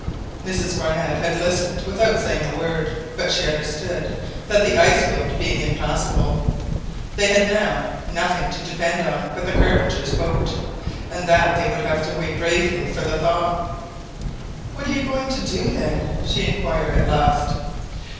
Mrs Barnett had listened without saying a word, but she understood that the ice field being impassible. they had now nothing to depend on but the carpenter's boat, and that they would have to wait bravely for the thaw. "What are you going to do, then?" she inquired at last.